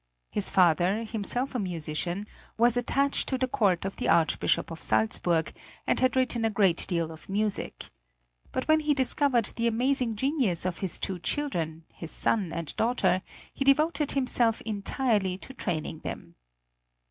His father, himself a musician, was attached to the court of the Archbishop of Salzburg, and had written a great deal of music. But when he discovered the amazing genius of his two children, his son and daughter, he devoted himself entirely to training them.